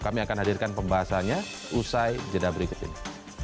kami akan hadirkan pembahasannya usai jeda berikut ini